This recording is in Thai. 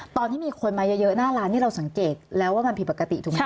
ตอนที่มีคนมาเยอะหน้าร้านนี่เราสังเกตแล้วว่ามันผิดปกติถูกไหม